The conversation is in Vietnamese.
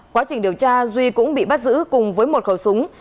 quá trình điều tra duy cũng bị bắt giữ cùng với một khẩu súng